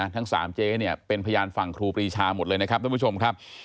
ทั้ง๓เจ๊เนี่ยเป็นพยานฝั่งครูปรีชาหมดเลยนะครับท่านผู้ชมครับ